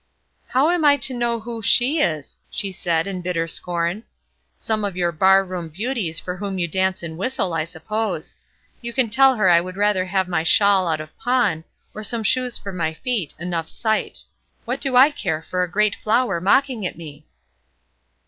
"How am I to know who 'she' is?" she said, in bitter scorn. "Some of your bar room beauties, for whom you dance and whistle, I suppose. You can tell her I would rather have my shawl out of pawn, or some shoes for my feet, enough sight. What do I care for a great flower mocking at me?"